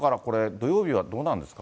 土曜日はどうなるんですか。